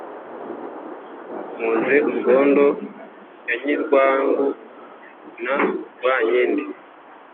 nkoze urwondo ya nyirwangu na rwankindi,